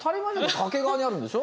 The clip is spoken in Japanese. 掛川にあるんでしょ。